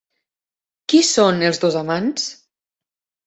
Qui són els dos amants?